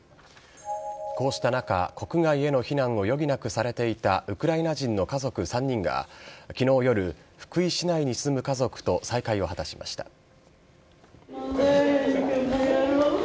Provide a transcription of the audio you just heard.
こうした中、国外への避難を余儀なくされていたウクライナ人の家族３人が、きのう夜、福井市内に住む家族と再会を果たしました。